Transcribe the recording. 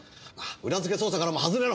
裏付け捜査からも外れろ。